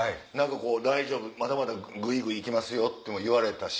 「大丈夫まだまだグイグイ行きますよ」とも言われたし。